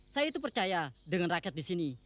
saya itu percaya dengan rakyat disini